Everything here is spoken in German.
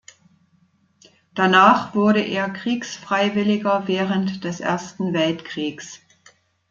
Danach wurde er Kriegsfreiwilliger während des Ersten Weltkriegs.